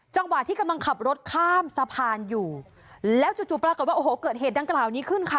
จังหวะที่กำลังขับรถข้ามสะพานอยู่แล้วจู่จู่ปรากฏว่าโอ้โหเกิดเหตุดังกล่าวนี้ขึ้นค่ะ